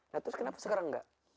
nah terus kenapa sekarang enggak